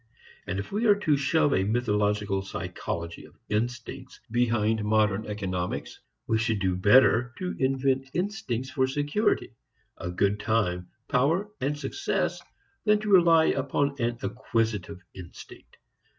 And if we are to shove a mythological psychology of instincts behind modern economics, we should do better to invent instincts for security, a good time, power and success than to rely upon an acquisitive instinct.